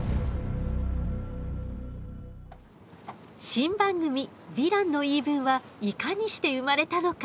新番組「ヴィランの言い分」はいかにして生まれたのか。